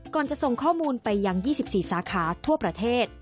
จะส่งข้อมูลไปยัง๒๔สาขาทั่วประเทศ